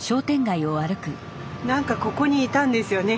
何かここにいたんですよね